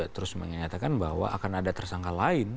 terus menyatakan bahwa akan ada tersangka lain